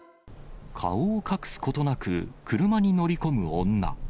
顔を隠すことなく車に乗り込む女。